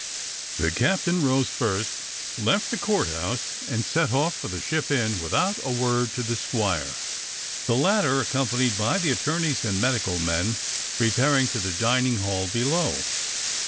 The captain rose first, left the Court House, and set off for the Ship Inn without a word to the squire, the latter, accompanied by the attorneys and medical men, repairing to the dining hall below.